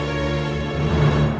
aku mau ke sana